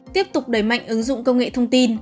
tiếp tục đẩy mạnh ứng dụng công nghệ thông tin